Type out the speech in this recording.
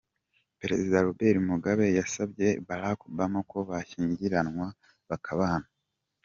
Perezida Robert Mugabe yasabye Barack Obama ko bashyingiranwa bakabana.